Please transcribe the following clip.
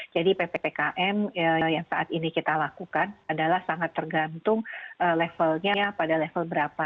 jadi ppkm yang saat ini kita lakukan adalah sangat tergantung levelnya pada level berapa